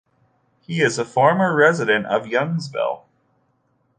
He is a former resident of Youngsville.